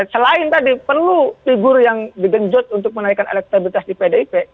selain tadi perlu figur yang digenjot untuk menaikkan elektabilitas di pdip